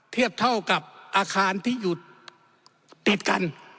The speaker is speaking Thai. เทียบเท่ากับอาคารที่อยู่ติดกัน